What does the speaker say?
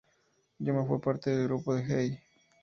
Yuma fue parte del grupo de Hey!